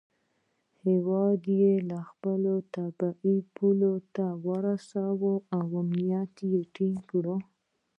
هیواد یې خپلو طبیعي پولو ته ورساوه او امنیت یې ټینګ کړ.